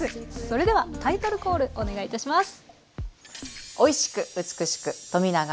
それではタイトルコールお願いいたします。